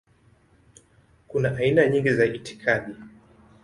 Kuna aina nyingi za itikadi.